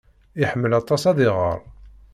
Iḥemmel aṭas ad iɣer.